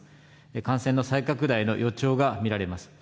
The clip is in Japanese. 感染の再拡大の予兆が見られます。